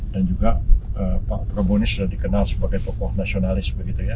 dan juga pak prabowo ini sudah dikenal sebagai tokoh nasionalis